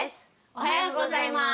おはようございます！